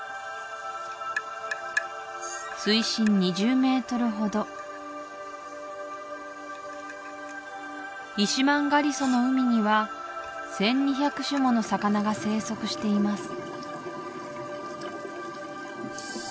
水深２０ｍほどイシマンガリソの海には１２００種もの魚が生息しています